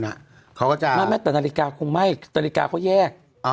แต่นาฬิกาคงไม่นาฬิกาเขาแยก